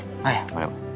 oh ya boleh